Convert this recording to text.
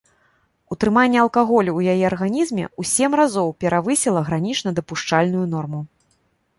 Утрыманне алкаголю ў яе арганізме ў сем разоў перавысіла гранічна дапушчальную норму.